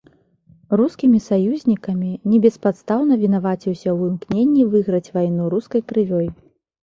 Рускімі саюзнікамі небеспадстаўна вінаваціўся ў імкненні выйграць вайну рускай крывёй.